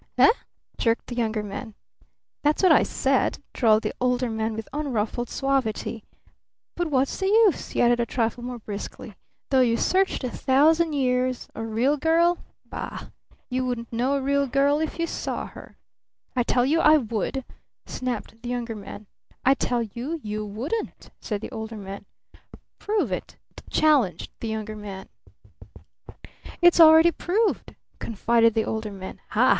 "Eh?" jerked the Younger Man. "That's what I said," drawled the Older Man with unruffled suavity. "But what's the use?" he added a trifle more briskly. "Though you searched a thousand years! A 'real girl'? Bah! You wouldn't know a 'real girl' if you saw her!" "I tell you I would!" snapped the Younger Man. "I tell you you wouldn't!" said the Older Man. "Prove it!" challenged the Younger Man. "It's already proved!" confided the Older Man. "Ha!